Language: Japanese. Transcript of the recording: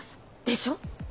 でしょ？